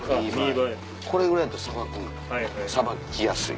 これぐらいやったらさばくんさばきやすい。